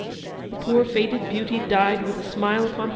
The poor faded beauty died with a smile upon he?